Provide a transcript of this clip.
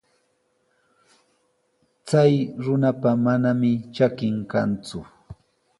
Chay runapa manami trakin kanku.